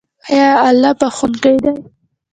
آیا الله بخښونکی دی؟